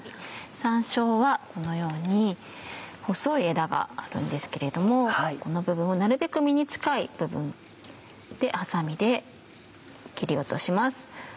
山椒はこのように細い枝があるんですけれどもこの部分をなるべく実に近い部分でハサミで切り落とします。